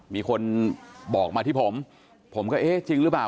มีคนบอกมาที่ผมผมก็เอ๊ะจริงหรือเปล่า